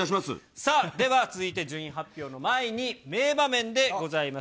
さあ、では続いて順位発表の前に、名場面でございます。